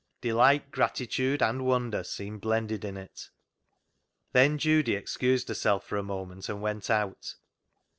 Delight, gratitude, and wonder seemed blended in it. Then Judy excused herself for a moment and went out.